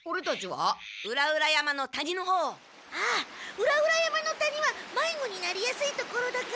ああ裏々山の谷はまいごになりやすいところだから。